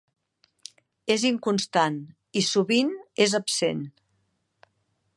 És inconstant i sovint és absent.